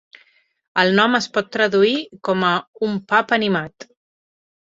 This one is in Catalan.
El nom es pot traduir com a "un pub animat".